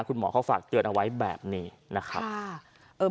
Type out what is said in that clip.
คุณหมอเขาฝากเตือนเอาไว้แบบนี้นะครับ